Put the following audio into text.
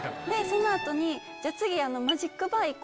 その後に次。